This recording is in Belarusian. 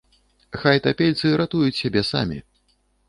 Хай тапельцы ратуюць сябе самі.